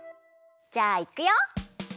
じゃあいくよ！